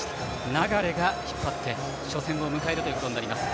流が引っ張って初戦を迎えることになります。